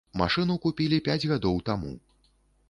Машыну купілі пяць гадоў таму.